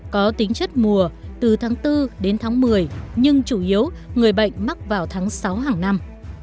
có tính chất mùa từ tháng bốn đến tháng một mươi nhưng chủ yếu người bệnh mắc vào tháng sáu hàng năm